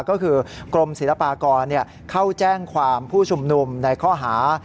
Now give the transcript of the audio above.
ก็คือกรมศิลปากรเข้าแจ้งความผู้ชุมนุมในข้อหา